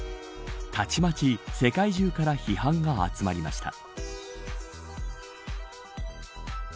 たちまち世界中から批判が集まりました。